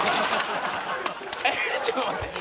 ちょっと待って。